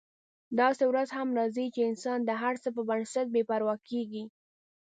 داسې ورځ هم راځي چې انسان د هر څه په نسبت بې پروا کیږي.